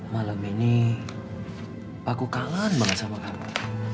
malam ini aku kangen banget sama kamu